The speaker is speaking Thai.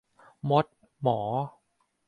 มด-หมอ